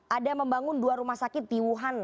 ada membangun dua rumah sakit di wuhan